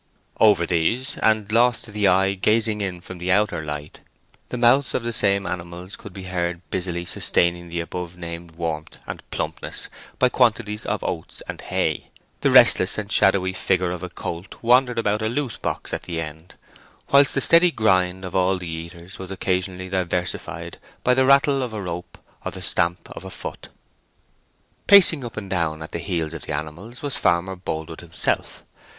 Over these, and lost to the eye gazing in from the outer light, the mouths of the same animals could be heard busily sustaining the above named warmth and plumpness by quantities of oats and hay. The restless and shadowy figure of a colt wandered about a loose box at the end, whilst the steady grind of all the eaters was occasionally diversified by the rattle of a rope or the stamp of a foot. Pacing up and down at the heels of the animals was Farmer Boldwood himself.